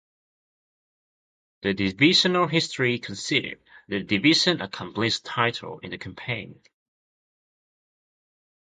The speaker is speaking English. The divisional history conceded "the division accomplished little" in the campaign.